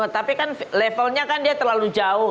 tapi kan levelnya kan dia terlalu jauh